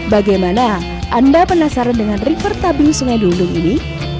bagaimana anda penasaran dengan river tabung sungai delundung ini